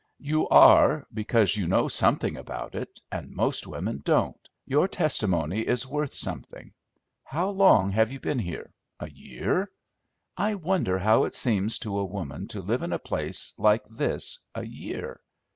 "You are, because you know something about it, and most women don't: your testimony is worth something. How long have you been here, a year? I wonder how it seems to a woman to live in a place like this a year!